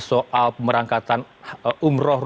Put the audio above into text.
soal pemerangkatan umroh